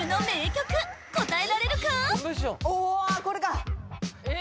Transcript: おわこれか！